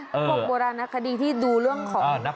พวกโบราณคดีที่ดูเรื่องของ